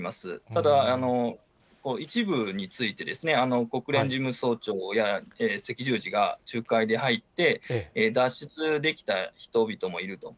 ただ、一部についてですね、国連事務総長や赤十字が仲介で入って、脱出できた人々もいると。